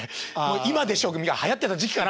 「今でしょ」がはやってた時期かなあれ。